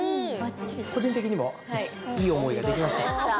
個人的にもいい思いができました。